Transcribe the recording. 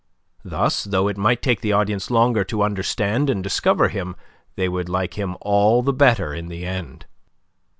Thus, though it might take the audience longer to understand and discover him, they would like him all the better in the end.